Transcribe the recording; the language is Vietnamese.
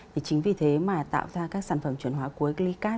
thì chính vì thế mà tạo ra các sản phẩm chuyển hóa cuối glicat